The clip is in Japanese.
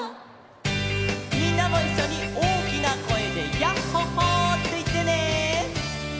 みんなもいっしょにおおきなこえで「ヤッホ・ホー」っていってね！